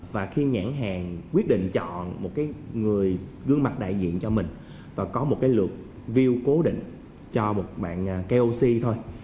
và khi nhãn hàng quyết định chọn một cái người gương mặt đại diện cho mình và có một cái lượt view cố định cho một bạn koc thôi